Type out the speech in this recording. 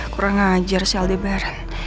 kurang ngajar si aldebaran